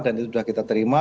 dan itu sudah kita terima